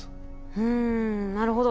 うんなるほど。